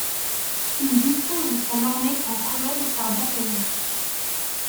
Il dispose son armée en colonnes par bataillon.